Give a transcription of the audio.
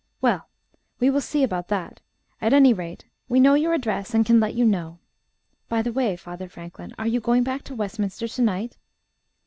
"Well, we will see about that. At any rate, we know your address, and can let you know.... By the way, Father Franklin, are you going back to Westminster to night?"